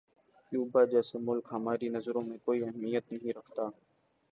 Cuba جیسا ملک ہماری نظروں میں کوئی اہمیت نہیں رکھتا۔